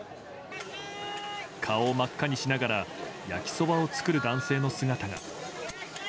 顔を真っ赤にしながら焼きそばを作る男性の姿が。